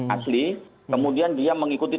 asli kemudian dia mengikuti